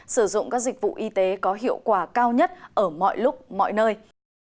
sử dụng các dịch vụ y tế có hiệu quả cao nhất ở mọi lúc mọi nơi